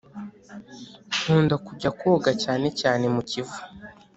nkunda kujya koga cyane cyane mukivu